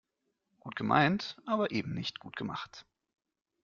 Gut gemeint, aber eben nicht gut gemacht.